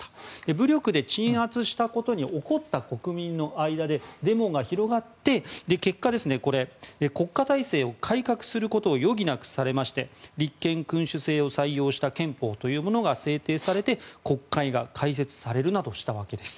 武力で鎮圧したことに怒った国民の間でデモが広がって結果、国家体制を改革することを余儀なくされまして立憲君主制を採用した憲法というものが制定されて国会が開設されるなどしたわけです。